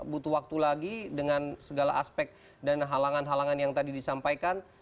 butuh waktu lagi dengan segala aspek dan halangan halangan yang tadi disampaikan